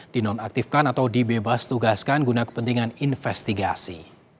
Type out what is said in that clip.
dinonaktifkan atau dibebas tugaskan guna kepentingan investigasi